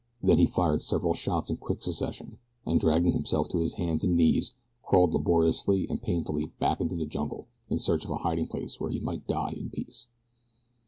Then he fired several shots in quick succession, and dragging himself to his hands and knees crawled laboriously and painfully back into the jungle in search of a hiding place where he might die in peace.